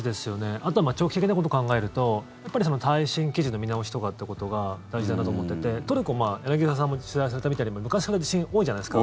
あとは長期的なことを考えるとやっぱり耐震基準の見直しとかってことが大事だなと思っててトルコ柳澤さんも取材されたみたいに昔から地震多いじゃないですか。